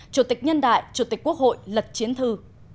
chủ tịch nhân đại chủ tịch quốc hội lật chiến thư